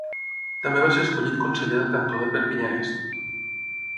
També va ser escollit conseller del cantó de Perpinyà-Est.